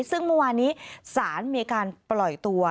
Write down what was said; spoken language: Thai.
ซึ่งเมื่อวานี้สารมีการปล่อยตัว